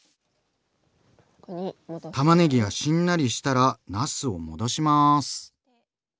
たまねぎがしんなりしたらなすを戻します。